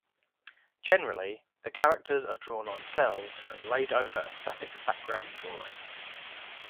Generally, the characters are drawn on cels and laid over a static background drawing.